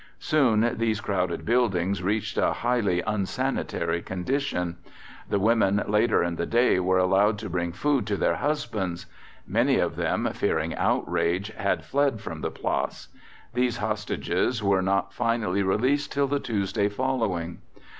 Soon these crowded buildings reached a highly insanitary condition. The women later in the day were allowed to bring food to their husbands. Many of them, fearing outrage, had fled from the Place. These hostages were not finally released till the Tuesday following.